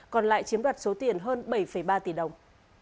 còn lại chiếm đoạt số tiền hơn bảy ba tỷ đồng